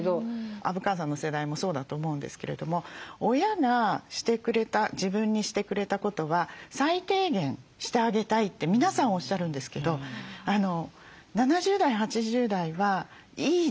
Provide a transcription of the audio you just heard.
虻川さんの世代もそうだと思うんですけれども親がしてくれた自分にしてくれたことは最低限してあげたいって皆さんおっしゃるんですけど７０代８０代はいい時代だったので